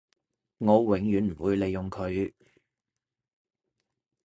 我永遠唔會利用佢